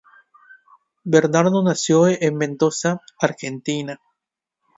Bernardo nació en Mendoza, Argentina.